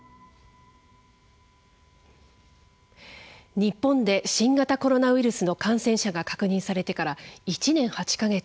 日本で新型コロナウイルスの感染者が確認されてから１年８か月。